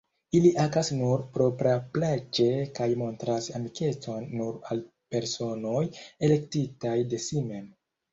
Ili agas nur propraplaĉe kaj montras amikecon nur al personoj, elektitaj de si mem.